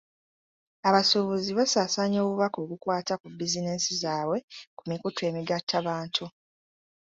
Abasuubuzi basaasaanya obubaka obukwata ku bizinensi zaabwe ku mikutu emigattabantu.